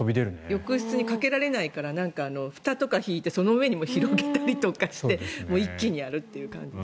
浴室にかけられないからふたとか敷いてその上にも広げたりとかして一気にやるという感じ。